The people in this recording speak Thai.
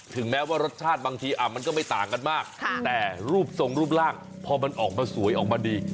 แม้ว่ารสชาติบางทีมันก็ไม่ต่างกันมากแต่รูปทรงรูปร่างพอมันออกมาสวยออกมาดี